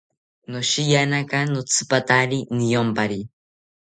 Noshiyanaka notzipatari niyompari